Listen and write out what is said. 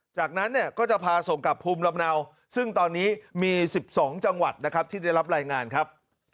จากนั้นเนี่ยก็จะพาส่งกลับภูมิลำเนาซึ่งตอนนี้มี๑๒จังหวัดนะครับที่ได้รับรายงานครับ